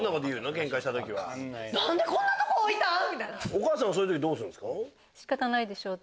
お母さんはそういう時どうするんですか？